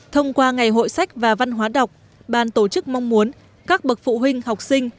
thông qua ngày hội sách và văn hóa đọc bàn tổ chức mong muốn các bậc phụ huynh học sinh